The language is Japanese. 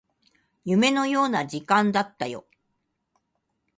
夢のような時間だったよ